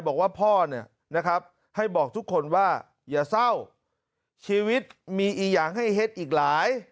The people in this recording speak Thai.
บอกว่าพ่อเนี่ยนะครับให้บอกทุกคนว่าอย่าเศร้าชีวิตมีอีกอย่างให้เฮ็ดอีกหลาย